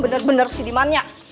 benar benar sih dimannya